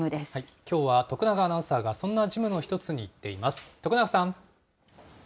きょうは徳永アナウンサーがそんなジムの１つに行っています。